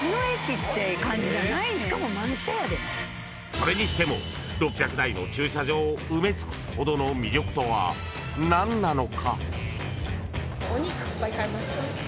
［それにしても６００台の駐車場を埋め尽くすほどの魅力とは何なのか？］